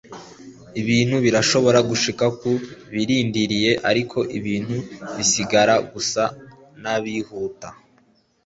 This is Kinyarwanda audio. Ibintu birashobora gushika ku barindiriye ariko ibintu bisigara gusa nabihuta